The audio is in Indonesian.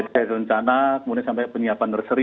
dari rencana kemudian sampai penyiapan nursery